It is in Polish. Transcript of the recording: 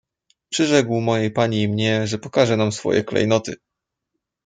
"Przyrzekł mojej pani i mnie, że pokaże nam swoje klejnoty."